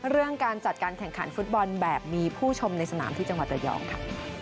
เรื่องการจัดการแข่งขันฟุตบอลแบบมีผู้ชมในสนามที่จังหวัดระยองค่ะ